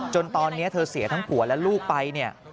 จนตอนนี้เธอเสียทั้งผัวและลูกไปเนี่ย